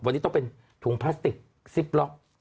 วันนี้ต้องเป็นถุงพลาสติกซิปล็อก